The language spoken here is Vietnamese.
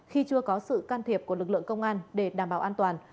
khi chưa có sự can thiệp của lực lượng công an để đảm bảo an toàn